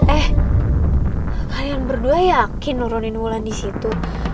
eh kalian berdua yakin nurunin hulan disitu